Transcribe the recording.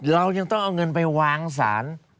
เรายังต้องเอาเงินไปวางสาร